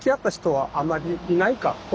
はい。